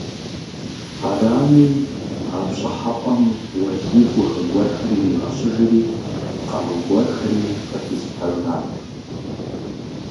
Арами, а пщӀыхьэпӀэм Уэлий гугъэ гуэрхэр иригъэщӀыжри къару гуэрхэри къыхилъхьэжат.